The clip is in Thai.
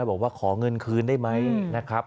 บอกว่าขอเงินคืนได้ไหมนะครับ